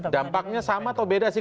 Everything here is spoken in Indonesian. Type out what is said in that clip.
dampaknya sama atau beda sih